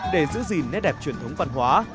để giữ gìn nét đẹp truyền thống văn hóa